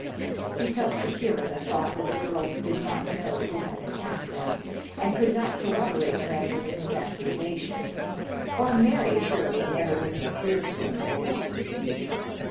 He felt secure in the thought that the girls did not know who had attacked them, and could not corroborate Brandon in his accusation, or Mary, surely, never would have appealed to him for help.